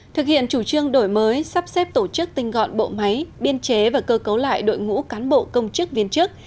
thực hiện chủ trương đổi mới sắp xếp tổ chức tinh gọn bộ máy biên chế và cơ cấu lại đội ngũ cán bộ công chức viên chức